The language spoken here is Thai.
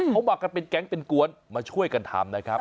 เขามากันเป็นแก๊งเป็นกวนมาช่วยกันทำนะครับ